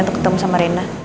untuk ketemu sama rena